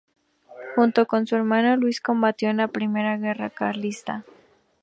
Junto con su hermano Luis combatió en la Primera Guerra Carlista.